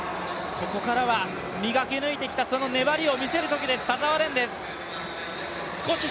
ここからは磨き抜いてきた粘りを見せるときです、田澤廉です。